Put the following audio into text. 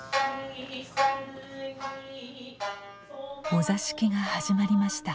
お座敷が始まりました。